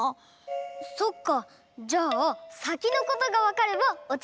そっかじゃあさきのことがわかればおちつけるのかもね。